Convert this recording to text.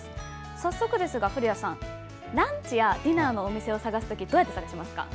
早速ですが、古谷さんランチやディナーのお店を探す時どう調べますか？